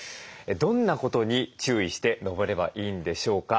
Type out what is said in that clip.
どんなことに注意して登ればいいんでしょうか？